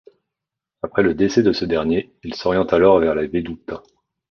Après le décès de ce dernier, il s'oriente alors vers la veduta.